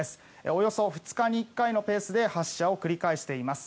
およそ２日に１回のペースで発射を繰り返しています。